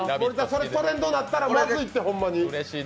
それトレンドなったらまずいって、ホンマに。